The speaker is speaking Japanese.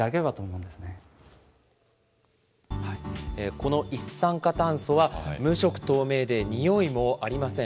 この一酸化炭素は、無色透明で臭いもありません。